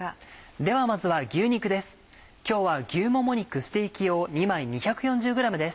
ではまずは牛肉です。